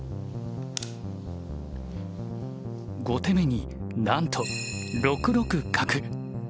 ５手目になんと６六角。